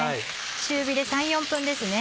中火で３４分ですね。